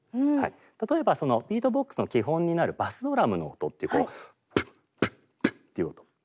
例えばビートボックスの基本になるバスドラムの音って。っていう音。